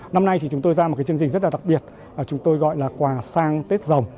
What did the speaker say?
năm nay chúng tôi ra một chương trình rất đặc biệt chúng tôi gọi là quà sang tết dòng